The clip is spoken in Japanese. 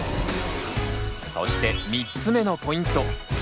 そして３つ目のポイント。